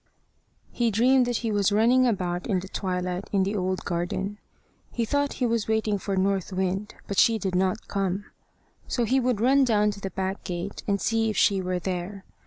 He dreamed that he was running about in the twilight in the old garden. He thought he was waiting for North Wind, but she did not come. So he would run down to the back gate, and see if she were there.